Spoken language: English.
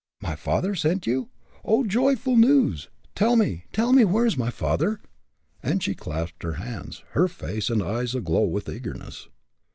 "My father sent you? Oh! joyful news! Tell me tell me, where is my father?" and she clasped her hands, her face and eyes aglow with eagerness.